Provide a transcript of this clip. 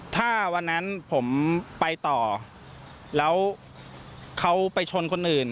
ถ้าวันนั้นผมไปต่อแล้วเขาไปชนคนอื่น